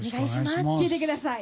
聴いてください。